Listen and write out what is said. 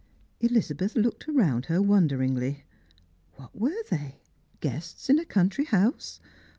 Elizabeth looked round her wonderingly. What were they ? Guests in a country house?